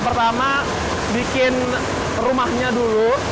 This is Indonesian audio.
pertama bikin rumahnya dulu